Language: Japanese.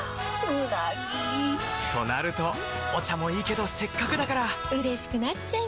うなぎ！となるとお茶もいいけどせっかくだからうれしくなっちゃいますか！